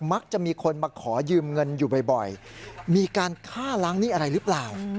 มักจะมีคนมาขอยืมเงินอยู่บ่อยมีการฆ่าล้างหนี้อะไรหรือเปล่า